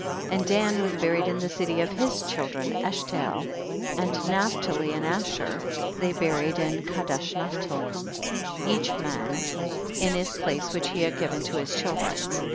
44. And Dan was buried in the city of his children in Eshtael, and Naphtali and Aslier they buried in Kadesh naphtali, each man in his place which he had given to his chil dren.